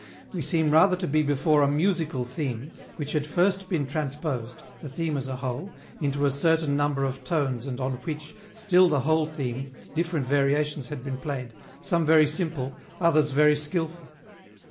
We seem rather to be before a musical theme, which had first been transposed, the theme as a whole, into a certain number of tones and on which, still the whole theme, different variations had been played, some very simple, others very skilful.